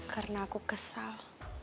karena aku kesal